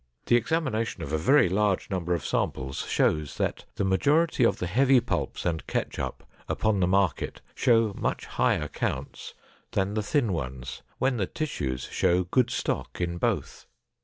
The examination of a very large number of samples shows that the majority of the heavy pulps and ketchup upon the market show much higher counts than the thin ones when the tissues show good stock in both.